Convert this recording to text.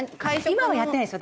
今はやってないですよ。